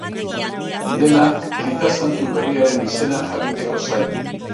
Denak, aita santu berriaren izena jakiteko zain.